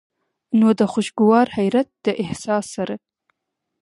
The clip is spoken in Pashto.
نو د خوشګوار حېرت د احساس سره